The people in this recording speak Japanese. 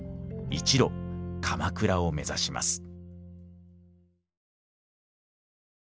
一路鎌倉を目指します。